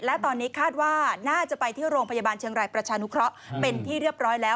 และตอนนี้คาดว่าน่าจะไปที่โรงพยาบาลเชียงรายประชานุเคราะห์เป็นที่เรียบร้อยแล้ว